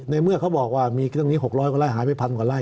ในเมื่อเขาบอกว่ามีตรงนี้๖๐๐พันธุ์ออกไปไล่